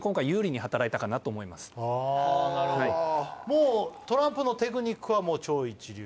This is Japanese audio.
もうトランプのテクニックは超一流？